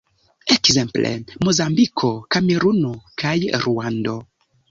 Ekzemple, Mozambiko, Kameruno kaj Ruando.